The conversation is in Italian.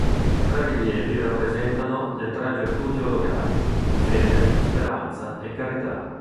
Tre rilievi rappresentano le tre virtù teologali: fede, speranza e carità.